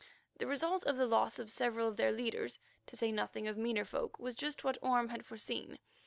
The result of the loss of several of their leaders, to say nothing of meaner folk, was just what Orme had foreseen.